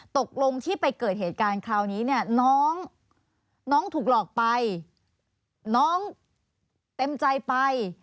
ตกลงที่ไปเกิดเหตุการณ์คราวนี้เนี่ยน้องน้องถูกหลอกไปน้องเต็มใจไป